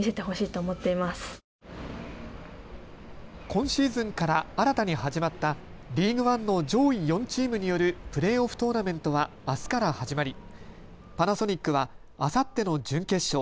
今シーズンから新たに始まったリーグワンの上位４チームによるプレーオフトーナメントはあすから始まりパナソニックはあさっての準決勝